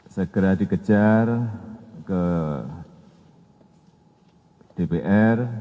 segera dikejar ke dpr